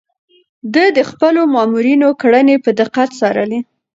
ده د خپلو مامورينو کړنې په دقت څارلې.